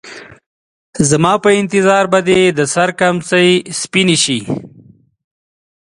زما په انتظار به دې د سـر کمڅـۍ شي سپينې